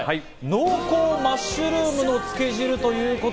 濃厚マッシュルームのつけ汁。